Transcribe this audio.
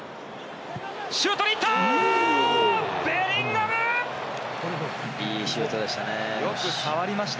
シュートにいった！